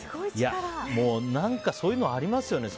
そういうの、ありますよね。